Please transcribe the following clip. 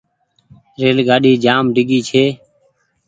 ريل گآڏي جآم ڊيگهي ڇي۔